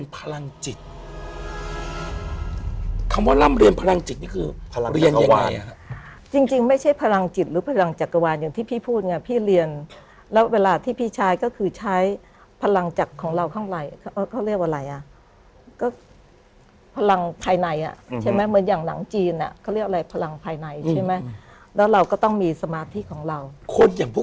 นี่เป็นร้านอาหารพี่ที่เมืองนอกนะครับ